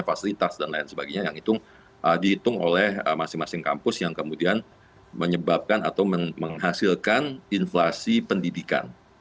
fasilitas dan lain sebagainya yang itu dihitung oleh masing masing kampus yang kemudian menyebabkan atau menghasilkan inflasi pendidikan